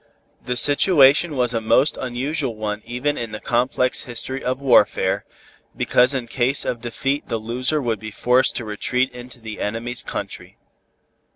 The situation was a most unusual one even in the complex history of warfare, because in case of defeat the loser would be forced to retreat into the enemies' country.